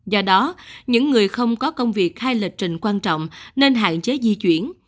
do đó những người không có công việc hay lịch trình quan trọng nên hạn chế di chuyển